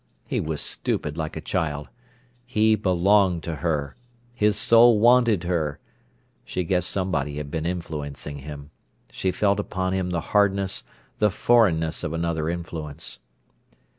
He was stupid like a child. He belonged to her. His soul wanted her. She guessed somebody had been influencing him. She felt upon him the hardness, the foreignness of another influence.